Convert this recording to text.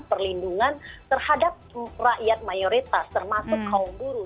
perlindungan terhadap rakyat mayoritas termasuk kaum buruh